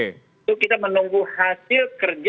itu kita menunggu hasil kerja